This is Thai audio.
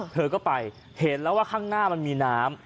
เธอก็ไปเห็นแล้วว่าข้างหน้ามันมีน้ำ